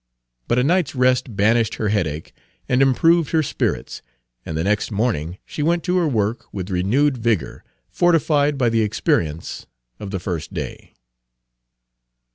But a night's rest banished her headache and improved her spirits, and the next morning she went to her work with renewed vigor, fortified by the experience of the first day.